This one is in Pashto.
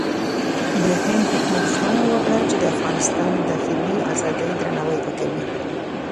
د هند حکومت ژمنه وکړه چې د افغانستان د داخلي ازادۍ درناوی به کوي.